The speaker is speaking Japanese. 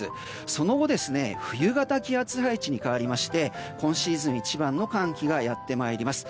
その後、冬型気圧配置に変わりまして、今シーズン一番の寒気がやってまいります。